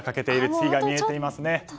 月が見えていますね。